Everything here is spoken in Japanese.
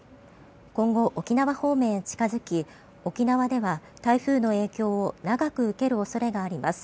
今後、沖縄方面へ近付き沖縄では台風の影響を長く受ける恐れがあります。